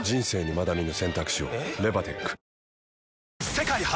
世界初！